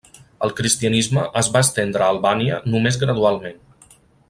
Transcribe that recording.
El cristianisme es va estendre a Albània només gradualment.